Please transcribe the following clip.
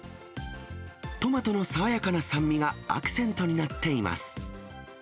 トマトの爽やかな酸味がアクセントになっています。